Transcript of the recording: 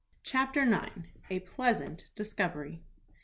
CHAPTER IX. A PLEASANT DISCOVERY.